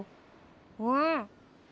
うん。